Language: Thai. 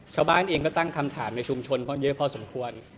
ชาวบ้านเองก็ตั้งคำถามในชุมชนเยอะพอสมควร